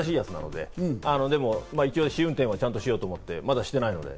でも一応、試運転はちゃんとしようと思って、まだしてないので。